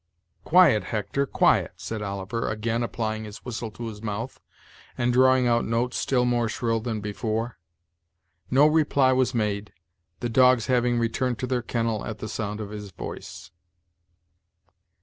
"Quiet, Hector, quiet," said Oliver, again applying his whistle to his mouth, and drawing out notes still more shrill than before. No reply was made, the dogs having returned to their kennel at the sound of his voice.